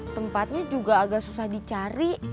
tempatnya juga agak susah dicari